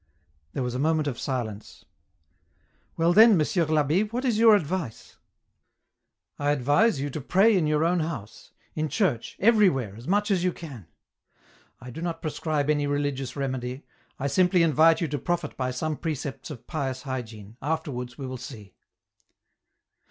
There was a moment of silence. " Well, then. Monsieur I'Abb^, what is your advice ?"" I advise you to pray in your own house, in church, everywhere, as much as you can. I do not prescribe any religious remedy, I simply invite you to profit by some precepts of pious hygiene, afterwards we will see."